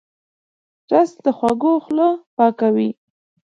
رس د خوږو خوله پاکوي